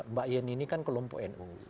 mbak yeni ini kan kelompok nu